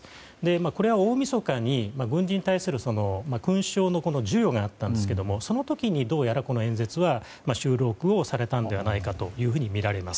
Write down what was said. これは大みそかに軍人に対する勲章の授与があったんですがその時にどうやらこの演説は収録をされたのではないかとみられます。